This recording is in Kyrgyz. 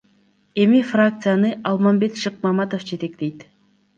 Эми фракцияны Алмамбет Шыкмаматов жетектейт.